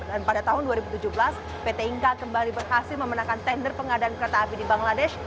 dan pada tahun dua ribu tujuh belas pt inka kembali berhasil memenangkan tender pengadaan kereta api di bangladesh